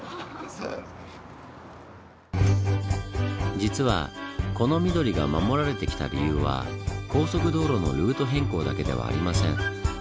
実はこの緑が守られてきた理由は高速道路のルート変更だけではありません。